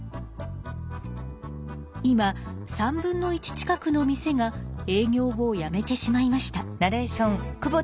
今３分の１近くの店が営業をやめてしまいました。